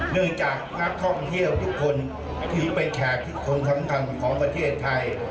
เนื่องจากนักท่องเที่ยวทุกคนทีเป็นแขกคนของประเทศไทย